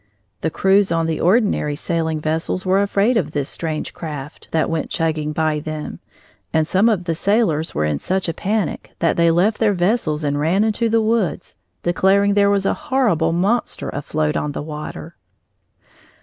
The crews on the ordinary sailing vessels were afraid of this strange craft that went chugging by them, and some of the sailors were in such a panic that they left their vessels and ran into the woods, declaring there was a horrible monster afloat on the water.